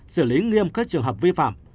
xử lý nghiêm các trường hợp vi phạm